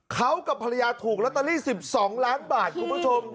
เขากับภรรยาถูกลอตเตอรี่๑๒ล้านบาทคุณผู้ชม